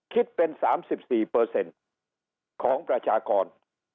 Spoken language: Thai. คิดเป็น๓๔ของประชากร